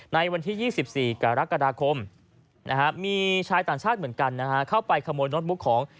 ในวันที่๒๔กรกฎาคมมีชายต่างชาติเหมือนกันนะฮะเข้าไปขโมยโน้ตบุ๊กของ